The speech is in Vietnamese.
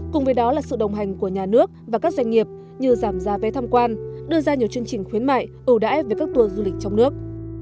cùng với đó là sự đồng hành của nhà nước và các doanh nghiệp như giảm giá vé tham quan đưa ra nhiều chương trình khuyến mại ưu đãi về các tour du lịch trong nước